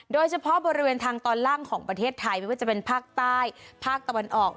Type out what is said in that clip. โดยเฉพาะบริเวณทางตอนล่างของประเทศไทยไม่ว่าจะเป็นภาคใต้ภาคตะวันออก